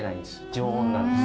常温なんです。